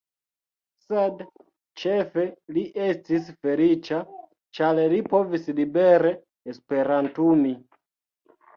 Sed ĉefe li estis feliĉa, ĉar li povis libere esperantumi.